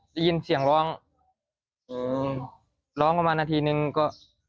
ได้ยินเสียงร้องร้องประมาณนาทีนึงก็